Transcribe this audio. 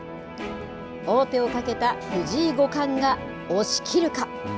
王手をかけた藤井五冠が押し切るか。